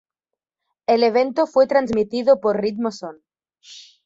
El evento fue transmitido por Ritmo Son.